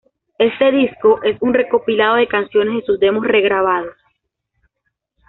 Este disco es un recopilado de canciones de sus demos regrabados.